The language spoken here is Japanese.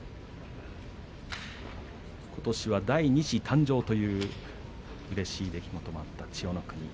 ことしは第二子誕生といううれしい出来事もあった千代の国。